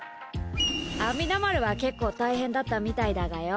阿弥陀丸は結構大変だったみたいだがよ。